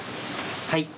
はい。